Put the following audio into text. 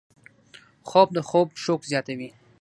خوب د خوب شوق زیاتوي